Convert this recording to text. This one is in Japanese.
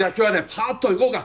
パァっといこうか！